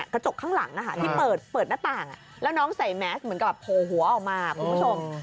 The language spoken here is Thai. กระจกข้างหลังที่เปิดหน้าต่างแล้วน้องใส่แมสเหมือนกับโผล่หัวออกมาคุณผู้ชม